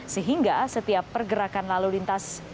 sehingga setiap pergerakan lalu lintas